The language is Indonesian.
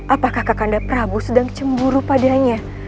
apakah kakanda prabu sedang cemburu padanya